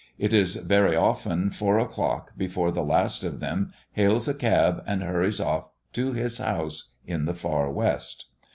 It is very often four o'clock before the last of them hails a cab and hurries off to his house in the far west.